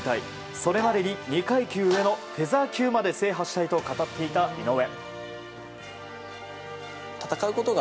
それまでに２階級上のフェザー級まで制覇したいと語っていた井上。